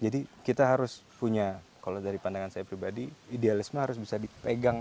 jadi kita harus punya kalau dari pandangan saya pribadi idealisme harus bisa dipegang